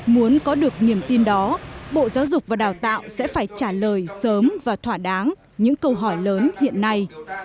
muốn có được niềm tin đó bộ giáo dục và đào tạo sẽ phải trả lời sớm và thỏa đáng những câu hỏi lớn hiện nay